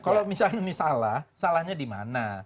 kalau misalnya ini salah salahnya di mana